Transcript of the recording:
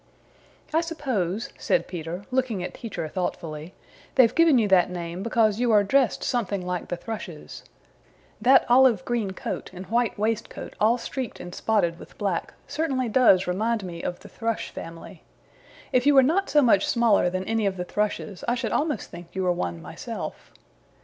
"I suppose," said Peter, looking at Teacher thoughtfully, "they've given you that name because you are dressed something like the Thrushes. That olive green coat, and white waistcoat all streaked and spotted with black, certainly does remind me of the Thrush family. If you were not so much smaller than any of the Thrushes I should almost think you were one myself.